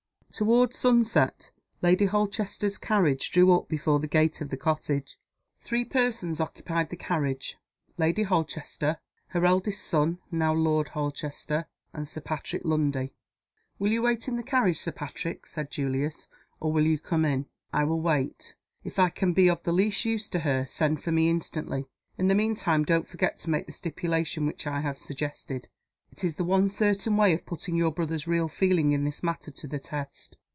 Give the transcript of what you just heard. TOWARD sunset, Lady Holchester's carriage drew up before the gate of the cottage. Three persons occupied the carriage: Lady Holchester, her eldest son (now Lord Holchester), and Sir Patrick Lundie. "Will you wait in the carriage, Sir Patrick?" said Julius. "Or will you come in?" "I will wait. If I can be of the least use to her,, send for me instantly. In the mean time don't forget to make the stipulation which I have suggested. It is the one certain way of putting your brother's real feeling in this matter to the test."